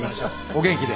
お元気で。